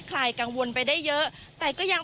ลายกังวลไปได้เยอะแต่ก็ยัง